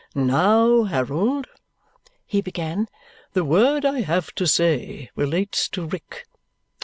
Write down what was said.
"Now, Harold," he began, "the word I have to say relates to Rick."